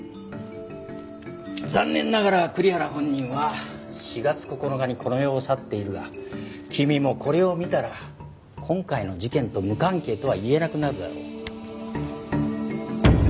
残念ながら栗原本人は４月９日にこの世を去っているが君もこれを見たら今回の事件と無関係とは言えなくなるだろう。